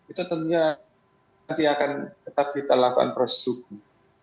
itu tentunya nanti akan tetap kita lakukan proses hukum